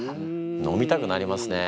飲みたくなりますね。